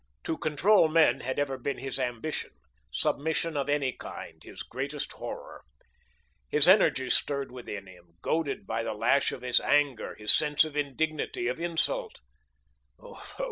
To control men had ever been his ambition; submission of any kind, his greatest horror. His energy stirred within him, goaded by the lash of his anger, his sense of indignity, of insult.